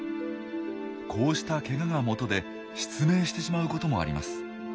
こうしたケガがもとで失明してしまうこともあります。